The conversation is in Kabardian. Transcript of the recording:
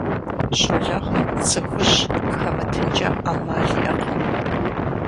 Щолэхъум цы хужь хэмытынкӀэ Ӏэмал иӀэкъым.